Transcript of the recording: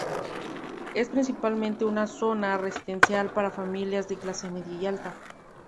Es principalmente una zona residencial para familias de clase media y alta.